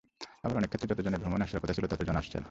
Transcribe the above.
আবার অনেক ক্ষেত্রে যতজনের ভ্রমণে আসার কথা ছিল, ততজন আসছেন না।